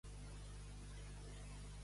De reng a reng.